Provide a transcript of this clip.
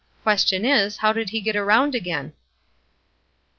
Question is, How did he get around again?"